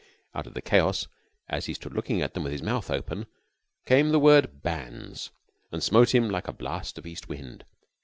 Out of the chaos, as he stood looking at them with his mouth open, came the word "bans," and smote him like a blast of East wind.